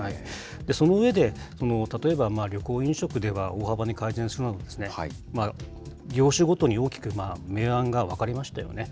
その上で、例えば旅行・飲食では大幅に改善するなど、業種ごとに大きく明暗が分かれましたよね。